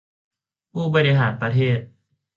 ผู้บริหารประเทศ